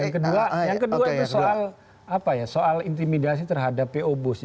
yang kedua yang kedua itu soal apa ya soal intimidasi terhadap po bus